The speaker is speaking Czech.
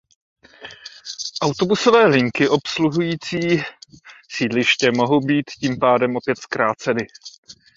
Autobusové linky obsluhující sídliště mohly být tím pádem opět zkráceny.